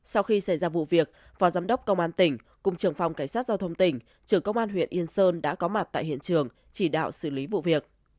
sau khi xảy ra vụ việc phó giám đốc công an tỉnh cùng trưởng phòng cảnh sát giao thông tỉnh trưởng công an huyện yên sơn đã có mặt tại hiện trường chỉ đạo xử lý vụ việc